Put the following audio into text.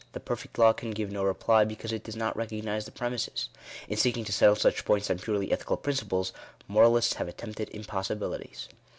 the perfect law can give no reply, because it does not recognise the premises. In seeking to settle such points on purely ethical principles, moralists have attempted impossibilities.